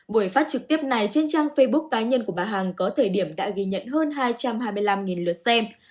buổi phát trực tiếp này trên trang facebook cá nhân của bà hằng có thời điểm đã ghi nhận hơn hai trăm hai mươi năm lượt xem